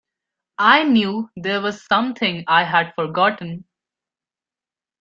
I knew there was something I had forgotten.